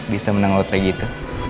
bisa menang lotre gitu